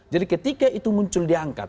jadi ketika itu muncul diangkat